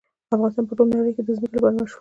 افغانستان په ټوله نړۍ کې د ځمکه لپاره مشهور دی.